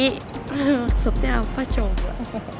maksudnya apa coba